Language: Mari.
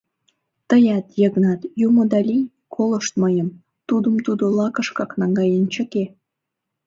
— Тыят, Йыгнат, юмо да лий, колышт мыйым: Тудым тудо лакышкак наҥгаен чыке.